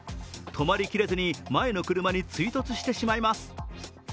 止まりきれずに前の車に追突してしまいます。